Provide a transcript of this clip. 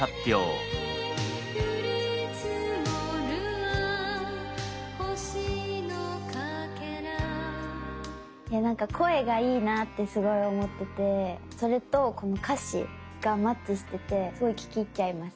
「降りつもるわ星の破片」なんか声がいいなってすごい思っててそれとこの歌詞がマッチしててすごい聴き入っちゃいます。